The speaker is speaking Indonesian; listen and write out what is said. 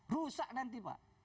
rusak nanti pak